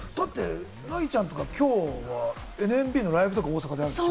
凪ちゃんとか今日はＮＭＢのライブとか大阪であるんでしょ？